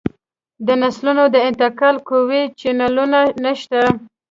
د نسلونو د انتقال قوي چینلونه نشته